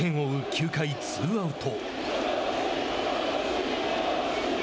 ９回ツーアウト。